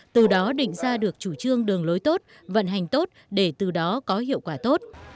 từ đó định ra được chủ trương đường lối tốt vận hành tốt để từ đó có hiệu quả tốt